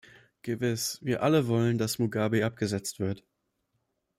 Gewiss, wir alle wollen, dass Mugabe abgesetzt wird.